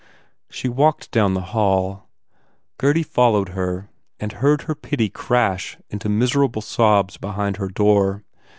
She walked down the hall. Gurdy followed her and heard her pity crash into miserable sobs behind her door.